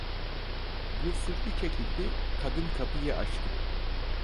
Bir sürgü çekildi, kadın kapıyı açtı.